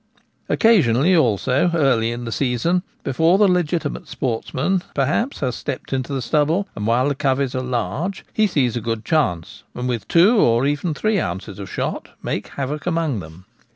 Occasionally, also, early in the season, before the legitimate sportsman perhaps has stepped into the stubble, and while the coveys are large, he sees a good chance, and with two or even three ounces of shot makes havoc among them.